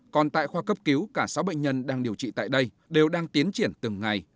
còn tại khoa cấp cứu cả sáu bệnh nhân đang điều trị tại đây đều đang tiến triển từng ngày